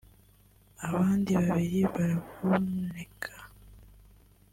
abandi babiri baravunika